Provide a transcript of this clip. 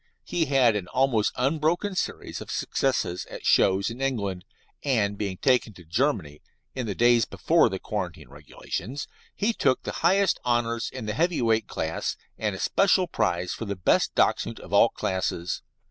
He had an almost unbroken series of successes at shows in England, and being taken to Germany (in the days before the quarantine regulations), he took the highest honours in the heavy weight class, and a special prize for the best Dachshund of all classes.